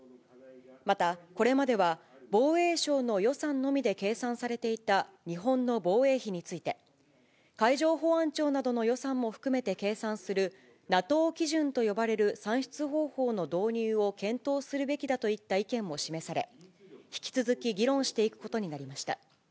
また、これまでは防衛省の予算のみで計算されていた日本の防衛費について、海上保安庁などの予算も含めて計算する、ＮＡＴＯ基準と呼ばれる算出方法の導入を検討するべきだといった意見も示され、引き続き議論していくことになりました。